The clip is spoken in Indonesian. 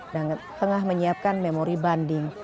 dan tengah menyiapkan memori banding